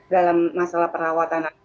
dalam masalah perawatan